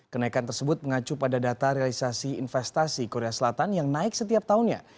kenaikan tersebut mengacu pada data realisasi investasi korea selatan yang naik setiap tahunnya